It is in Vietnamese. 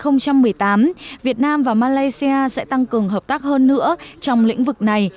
năm hai nghìn một mươi tám việt nam và malaysia sẽ tăng cường hợp tác hơn nữa trong lĩnh vực này